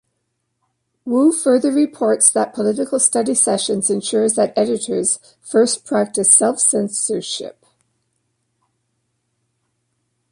Wu further reports that, political study sessions ensures that editors first practice self-censorship.